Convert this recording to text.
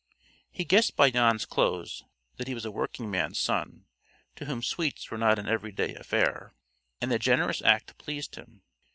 He guessed by Jan's clothes that he was a working man's son, to whom sweets were not an every day affair, and the generous act pleased him.